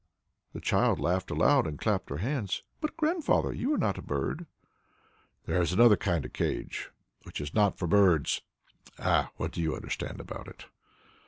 The child laughed aloud and clapped her hands. "But, Grandfather, you are not a bird." "There is another kind of cage which is not for birds Ah, what do you understand about it?"